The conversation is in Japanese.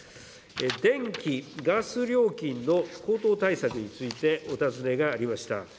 電気・ガス料金の高騰対策についてお尋ねがありました。